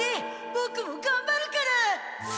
ボクもがんばるから。